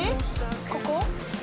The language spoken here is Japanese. ここ？